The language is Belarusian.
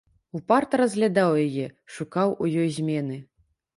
Упарта разглядаў яе, шукаў у ёй змены.